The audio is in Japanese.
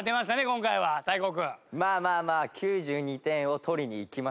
今回は大光くん。まあまあまあ９２点を取りにいきました。